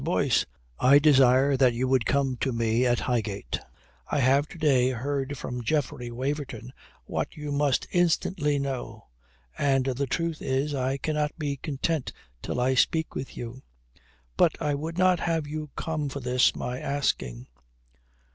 BOYCE, I desire that you would come to me at Highgate. I have to day heard from Geoffrey Waverton what you must instantly know. And the truth is, I cannot be content till I speak with you. But I would not have you come for this my asking.